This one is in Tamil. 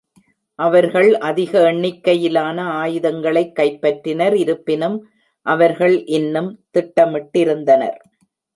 அவர்கள் அதிக எண்ணிக்கையிலான ஆயுதங்களை கைப்பற்றினர், இருப்பினும் அவர்கள் இன்னும் திட்டமிட்டிருந்தனர்.